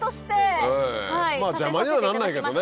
邪魔にはなんないけどね。